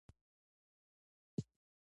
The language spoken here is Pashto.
• اور د سړې هوا څخه خوندي کړل.